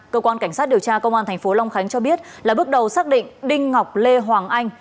cơ quan cảnh sát điều tra công an tp long khánh cho biết là bước đầu xác định đinh ngọc lê hoàng anh